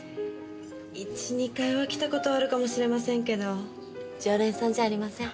１２回は来た事あるかもしれませんけど常連さんじゃありません。